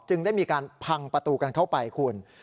ได้มีการพังประตูกันเข้าไปคุณ